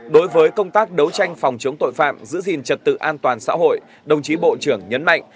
đối với công tác đấu tranh phòng chống tội phạm giữ gìn trật tự an toàn xã hội đồng chí bộ trưởng nhấn mạnh